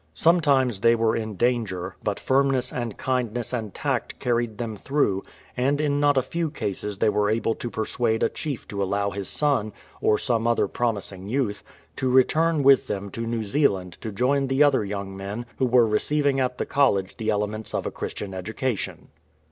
Sometimes they were in danger, but firmness and kindness and tact carried them through, and in not a few cases they were able to persuade a chief to allow his son, or some other promising youth, to return with them to New Zealand to join the other young men who were receiving at the College the elements of a Christian education.